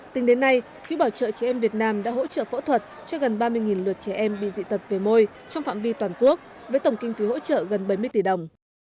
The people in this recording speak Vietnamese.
tính đến nay quỹ bảo trợ trẻ em việt nam đã hỗ trợ phẫu thuật cho gần ba mươi lượt trẻ em bị dị tật về môi trong phạm vi toàn quốc với tổng kinh phí hỗ trợ gần bảy mươi tỷ đồng